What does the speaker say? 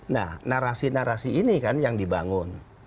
nah narasi narasi ini kan yang dibangun